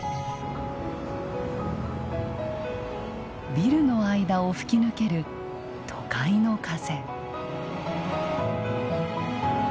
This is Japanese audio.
ビルの間を吹き抜ける都会の風。